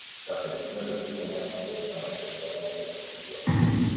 La película recibió una respuesta mayoritariamente positiva.